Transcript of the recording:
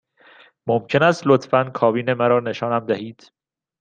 ممکن است لطفاً کابین مرا نشانم دهید؟